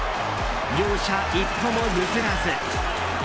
両者一歩も譲らず。